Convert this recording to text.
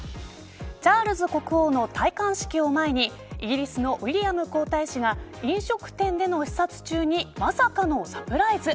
チャールズ国王の戴冠式を前にイギリスのウィリアム皇太子が飲食店での視察中にまさかのサプライズ。